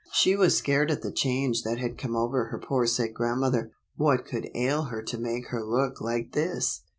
She was scared at the change that had come over her poor sick grandmother. What could ail her to make her look like this